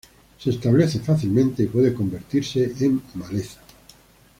Se establece fácilmente y puede convertirse en maleza.